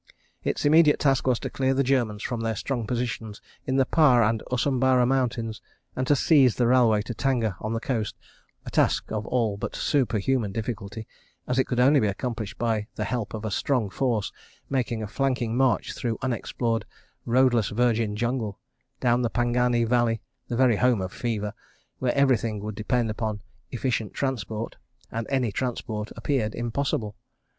Its immediate task was to clear the Germans from their strong positions in the Pare and Usambara Mountains, and to seize the railway to Tanga on the coast, a task of all but superhuman difficulty, as it could only be accomplished by the help of a strong force making a flanking march through unexplored roadless virgin jungle, down the Pangani valley, the very home of fever, where everything would depend upon efficient transport—and any transport appeared impossible.